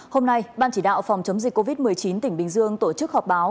hôm nay ban chỉ đạo phòng chống dịch covid một mươi chín tỉnh bình dương tổ chức họp báo